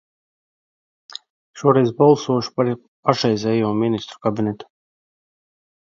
Šoreiz es balsošu par pašreizējo Ministru kabinetu.